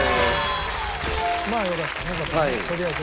まあよかったねとりあえず。